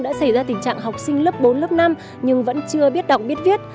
đã xảy ra tình trạng học sinh lớp bốn lớp năm nhưng vẫn chưa biết đọc biết viết